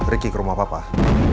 ricky ke rumah bapak